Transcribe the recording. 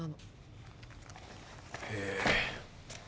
へえ。